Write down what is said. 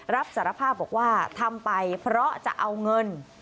รับสารภาพบอกว่าทำไปเพราะจะเอาเงิน